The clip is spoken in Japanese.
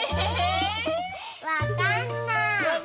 ⁉わかんない。